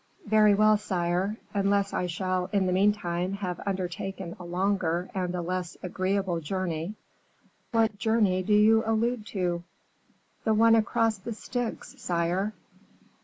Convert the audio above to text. "Very well, sire; unless I shall, in the meantime, have undertaken a longer and a less agreeable journey." "What journey do you allude to?" "The one across the Styx, sire."